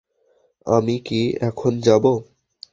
আমি কি এখন যাবো?